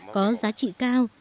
có giá trị cao